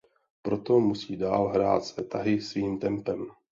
Proto musí dál hrát své tahy svým tempem.